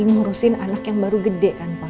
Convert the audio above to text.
ngurusin anak yang baru gede kan pak